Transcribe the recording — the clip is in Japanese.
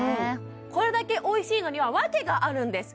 これだけおいしいのには訳があります